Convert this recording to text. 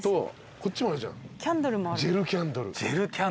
こっちもあるじゃん。